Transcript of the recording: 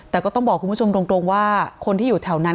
แต่ก็ต้องบอกคุณผู้ชมตรงว่าคนที่อยู่แถวนั้น